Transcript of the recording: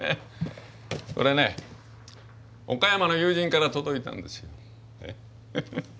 これね岡山の友人から届いたんですよ。